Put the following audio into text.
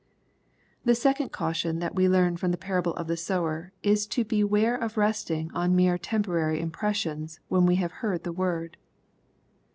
The second caution that we learn from the parable of the sower, is to beware of resting on mere temporary impressions when we have heard the word.